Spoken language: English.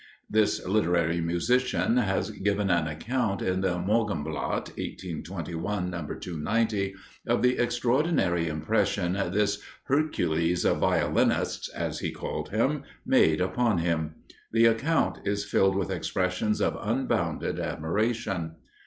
This literary musician has given an account in the "Morgenblatt" (1821, No. 290) of the extraordinary impression this "Hercules of Violinists," as he called him, made upon him. The account is filled with expressions of unbounded admiration.